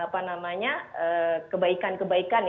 karena kita juga sangat peduli sekali